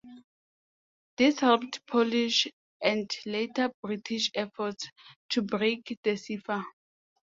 This helped Polish and, later, British efforts to break the cipher.